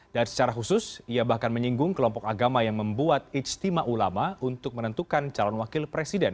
dan secara khusus ia bahkan menyinggung kelompok agama yang membuat ijtima ulama untuk menentukan calon wakil presiden